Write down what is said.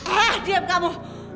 eh diam kamu